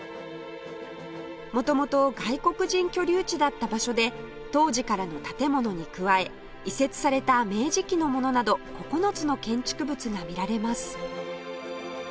元々外国人居留地だった場所で当時からの建物に加え移設された明治期のものなど９つの建築物が見られます